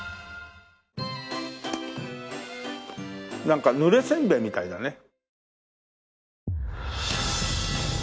なんかぬれせんべいみたいだね。